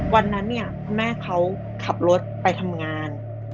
วันนั้นเนี่ยคุณแม่เขาขับรถไปทำงาน